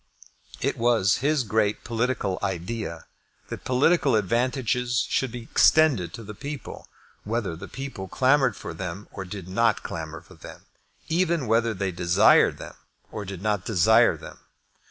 It was his great political idea that political advantages should be extended to the people, whether the people clamoured for them or did not clamour for them, even whether they desired them or did not desire them.